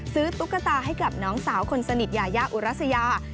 ตุ๊กตาให้กับน้องสาวคนสนิทยายาอุรัสยา